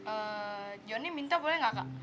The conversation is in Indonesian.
eh john ini minta boleh gak kak